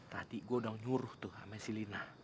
tadi gue udah nyuruh tuh sama si lina